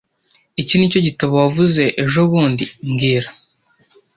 Iki nicyo gitabo wavuze ejobundi mbwira